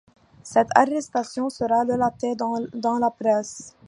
Cette arrestation sera relatée dans la presse.